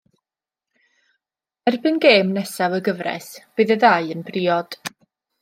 Erbyn gêm nesaf y gyfres bydd y ddau yn briod.